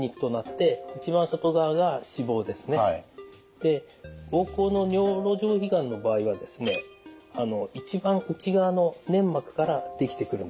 で膀胱の尿路上皮がんの場合はですね一番内側の粘膜から出来てくるんですね。